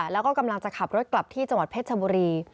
แล้วก็กำลังจะขับรถกลับที่จังหวัดเพชรชบุรี